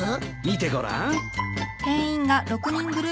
見てごらん。